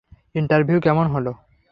Interview কেমন হলো?